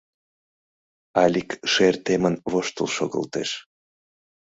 Алик шер темын воштыл шогылтеш.